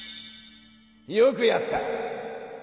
よくやった！